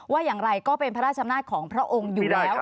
อย่างไรก็เป็นพระราชอำนาจของพระองค์อยู่แล้ว